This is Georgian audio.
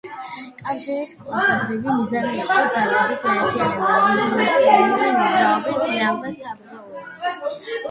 კავშირის კლასობრივი მიზანი იყო ძალების გაერთიანება რევოლუციური მოძრაობის წინააღმდეგ საბრძოლველად.